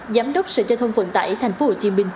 giám đốc sở giao thông vận tải tp hcm